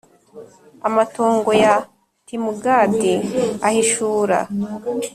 Amatongo ya timgad ahishura